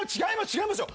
違いますよ。